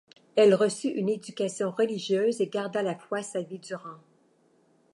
Elle reçut une éducation religieuse et garda la foi sa vie durant.